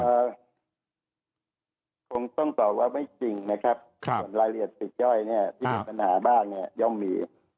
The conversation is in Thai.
คงต้องตอบว่าไม่จริงนะครับรายละเอียดติดไยที่มีปัญหาบ้างยอมมี